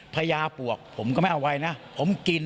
พระยาปวกผมก็ไม่เอาในะผมกิน